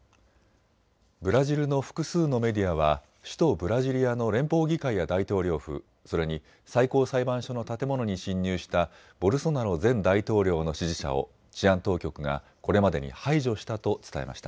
ブラジルの複数のメディアは首都ブラジリアの連邦議会や大統領府、それに最高裁判所の建物に侵入したボルソナロ前大統領の支持者を治安当局がこれまでに排除したと伝えました。